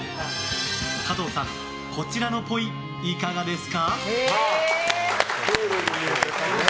加藤さん、こちらのぽいいかがですか？